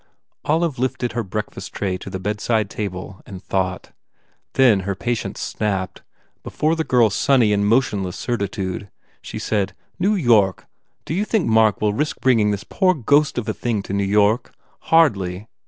Olive lifted her breakfast tray to the bedside table and thought. Then her patience snapped, before the girl s sunny and motionless certitude. She said, "New York! Do you think Mark will risk bringing this poor ghost of a thing to New York? Hardly!